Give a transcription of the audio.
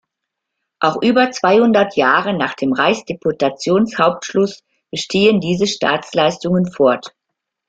Auch über zweihundert Jahre nach dem Reichsdeputationshauptschluss bestehen diese Staatsleistungen fort.